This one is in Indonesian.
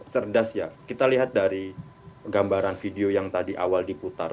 cerdas ya kita lihat dari gambaran video yang tadi awal diputar